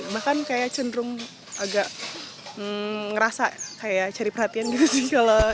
bahkan kayak cenderung agak ngerasa kayak cari perhatian gitu sih